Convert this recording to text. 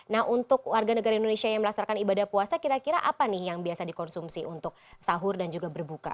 nah untuk warga negara indonesia yang melaksanakan ibadah puasa kira kira apa nih yang biasa dikonsumsi untuk sahur dan juga berbuka